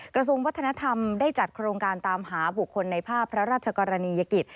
กระทรวงวัฒนธรรมได้จัดโครงการตามหาบุคคลในภาพพระราชกรณียกิจ